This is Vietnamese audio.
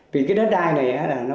vì cái đất đai này